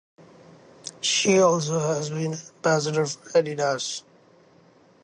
She also has been an ambassador for Adidas.